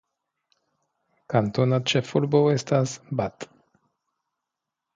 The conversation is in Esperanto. Kantona ĉefurbo estas Bath.